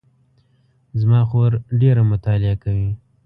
زما خور ډېره مطالعه کوي